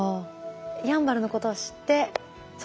やんばるのことを知ってそうですね